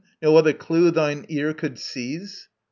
No other clue thine ear could seize?